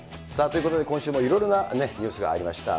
ということで、今週もいろいろなニュースがありました。